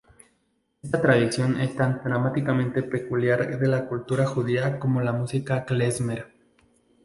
Esta tradición es tan dramáticamente peculiar de la cultura judía como la música klezmer.